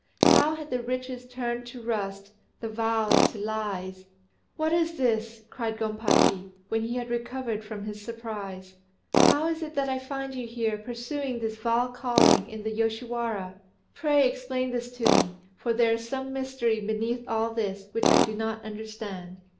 How had the riches turned to rust, the vows to lies! "What is this?" cried Gompachi, when he had recovered from his surprise. "How is it that I find you here pursuing this vile calling, in the Yoshiwara? Pray explain this to me, for there is some mystery beneath all this which I do not understand."